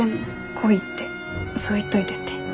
来いってそう言っといてって。